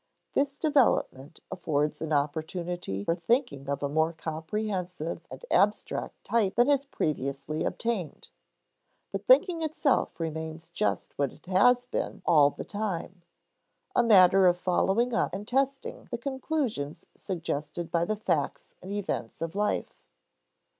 This development affords an opportunity for thinking of a more comprehensive and abstract type than has previously obtained. But thinking itself remains just what it has been all the time: a matter of following up and testing the conclusions suggested by the facts and events of life.